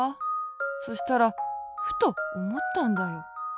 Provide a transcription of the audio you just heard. そしたらふとおもったんだよ。